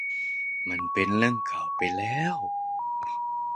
มันเป็นเรื่องเก่าไปแล้ว